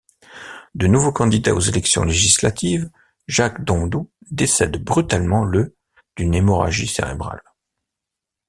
De nouveau candidat aux élections législatives, Jacques Dondoux décède brutalement le d’une hémorragie cérébrale.